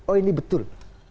oh ini betul